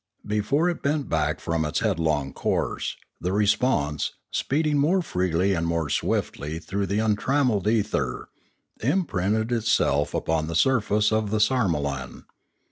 Before it bent back from its headlong course, the response, speeding more freely and more swiftly through the untrammelled ether, im printed itself upon the face of the sarmolan.